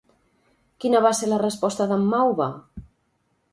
Quina va ser la resposta d'en Mauva?